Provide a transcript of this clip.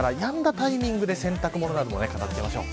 タイミングで洗濯物を片付けましょう。